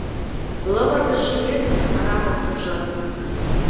Лывырге шӱметым Арамак туржат.